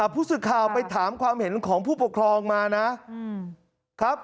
ผู้สื่อข่าวไปถามความเห็นของผู้ปกครองมานะครับ